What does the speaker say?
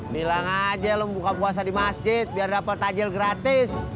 nilang aja lo buka puasa di masjid biar dapet tajil gratis